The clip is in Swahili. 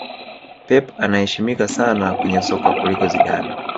Pep anaheshimika sana kwenye soka kuliko Zidane